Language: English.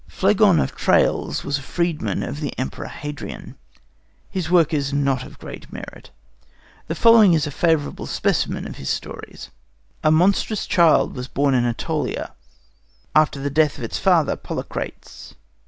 Phlegon of Tralles was a freedman of the Emperor Hadrian. His work is not of great merit. The following is a favourable specimen of his stories. A monstrous child was born in Ætolia, after the death of its father, Polycrates.